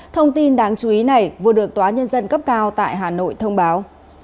thông tin đáng chú ý này vừa được tòa nhân dân cấp cao tại hà nội thông báo